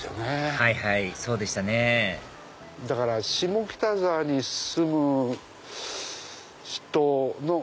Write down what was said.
はいはいそうでしたねだから下北沢に住む若者と。